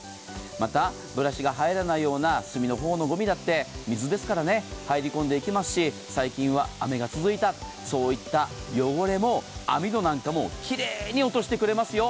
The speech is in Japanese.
またブラシが入らないような隅の方のごみだって、水ですから入り込んでいきますし、最近は雨が続いた、そういった汚れも、網戸なんかもきれいに落としてくれますよ。